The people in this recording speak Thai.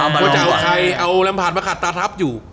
ว่าจะเอาใครเอาลำผ่านมาขัดตาทับอยู่